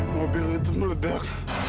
mobil itu meredak